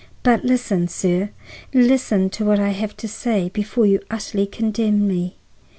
But listen, sir; listen to what I have to say before you utterly condemn me.